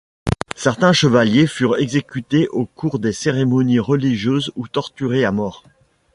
Certains chevaliers furent exécutés au cours de cérémonies religieuses ou torturés à mort.